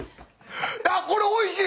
あっこれおいしい。